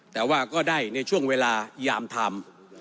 แต่ว่าก็ได้ในช่วงเวลายามไทม์